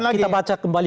kita baca kembali